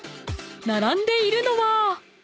並んでいるのは］